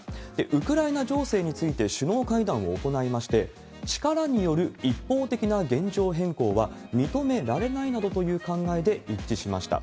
ウクライナ情勢について首脳会談を行いまして、力による一方的な現状変更は認められないなどという考えで一致しました。